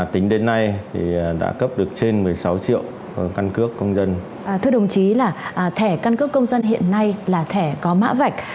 thưa đồng chí thẻ căn cước công dân hiện nay là thẻ có mã vạch